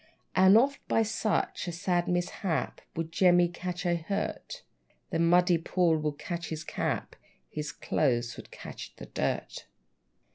And oft, by such a sad mishap, Would Jemmy catch a hurt; The muddy pool would catch his cap, His clothes would catch the dirt!